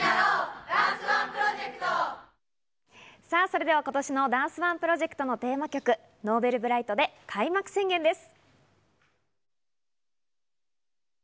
それでは今年のダンスＯＮＥプロジェクトのテーマ曲、Ｎｏｖｅｌｂｒｉｇｈｔで『開幕宣言』です。